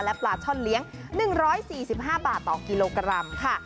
ปลาช่อนเลี้ยง๑๔๕บาทต่อกิโลกรัมค่ะ